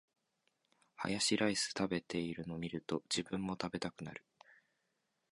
ハヤシライス食べてるの見ると、自分も食べたくなる